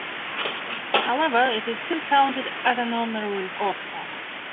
However, it is still counted as an "honorary Oscar".